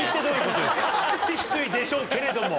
きついでしょうけれども。